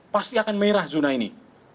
pasti akan merah zona ini